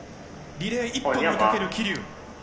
リレー一本にかける桐生。